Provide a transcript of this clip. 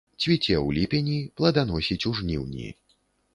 Цвіце ў ліпені, пладаносіць у жніўні.